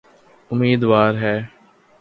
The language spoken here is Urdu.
امیدوار ہے۔